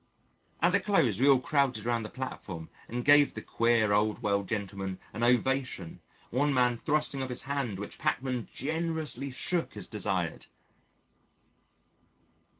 At the close we all crowded around the platform and gave the queer, old world gentleman an ovation, one man thrusting up his hand which Pachmann generously shook as desired.